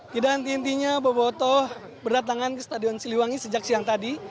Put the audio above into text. tidak henti hentinya boboto berdatangan ke stadion siliwangi sejak siang tadi